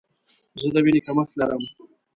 زه د ویني کمښت لرم.